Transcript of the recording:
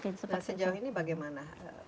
nah sejauh ini bagaimana